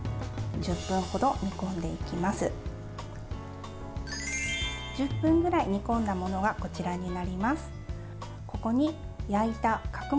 １０分ぐらい煮込んだものがこちらになります。